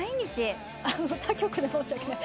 他局で申し訳ない。